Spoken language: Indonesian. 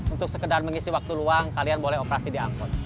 untuk sekedar mengisi waktu luang kalian boleh operasi di angkot